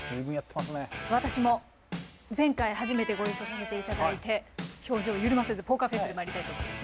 私も前回初めてご一緒させていただいて表情緩ませずポーカーフェースでまいりたいと思います。